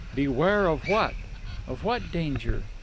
Beware of what? Of what danger?